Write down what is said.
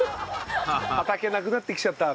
「畑なくなってきちゃった！」